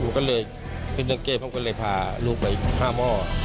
ผมก็เลยพึ่งนักเกษตรผมก็เลยพาลูกไปภาพหม้อ